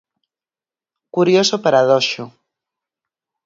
Curioso paradoxo.